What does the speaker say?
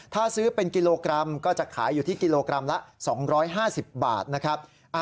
ถ้าซื้อเป็นกิโลกรัมก็จะขายอยู่ที่กิโลกรัมละ๒๕๐บาทนะครับ